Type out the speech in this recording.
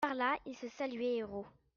Par là il se saluait héros.